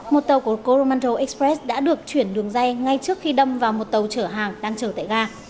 một tàu của coromantro express đã được chuyển đường dây ngay trước khi đâm vào một tàu chở hàng đang chờ tại ga